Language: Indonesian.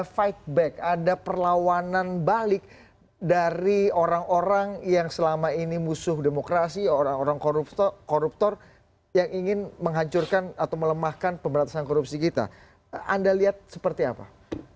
fase paling krusial menurut kami di dua ribu sembilan belas adalah